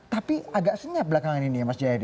tapi agak senyap belakangan ini ya mas jaya d